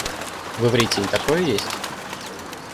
В иврите и такое есть?